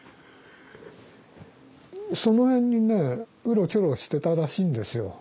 その辺にねうろちょろしてたらしいんですよ。